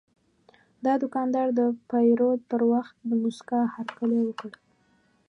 دا دوکاندار د پیرود پر وخت د موسکا هرکلی وکړ.